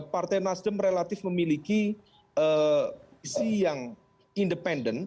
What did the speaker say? partai nasdem relatif memiliki visi yang independen